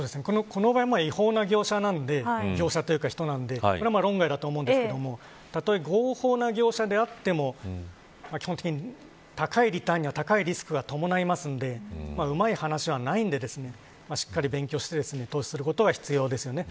この場合は違法な業者というか人なんで論外だと思うんですがたとえ合法な業者であっても基本的に高いリターンには高いリスクは伴いますのでうまい話はないんでしっかり勉強して投資することが必要ですよね。